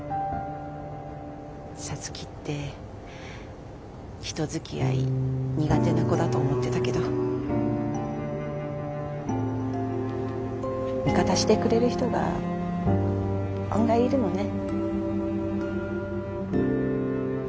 皐月って人づきあい苦手な子だと思ってたけど味方してくれる人が案外いるのね。